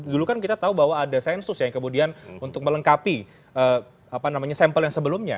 dulu kan kita tahu bahwa ada sensus yang kemudian untuk melengkapi sampel yang sebelumnya